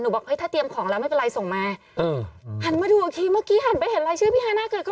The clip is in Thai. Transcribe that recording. บอกเฮ้ยถ้าเตรียมของแล้วไม่เป็นไรส่งมาเออหันมาดูอีกทีเมื่อกี้หันไปเห็นรายชื่อพี่ฮาน่าเกิดก็